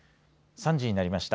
３時になりました。